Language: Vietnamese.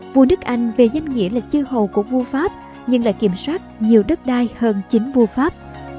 vua nước anh về danh nghĩa là chư hầu của vua pháp nhưng lại kiểm soát nhiều đất đai hơn chính vua pháp